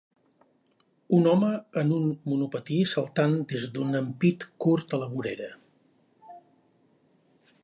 Un home en un monopatí saltant des d'un ampit curt a la vorera.